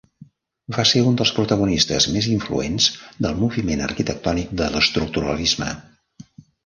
Va ser un dels protagonistes més influents del moviment arquitectònic de l'Estructuralisme.